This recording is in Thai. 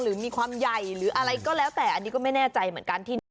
หรือมีความใหญ่หรืออะไรก็แล้วแต่อันนี้ก็ไม่แน่ใจเหมือนกันที่นี่